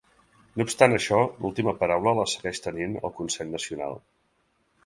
No obstant això, l’última paraula la segueix tenint el consell nacional.